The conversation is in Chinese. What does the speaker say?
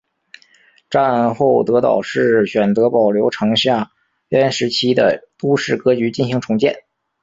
战后德岛市选择保留城下町时期的都市格局进行重建。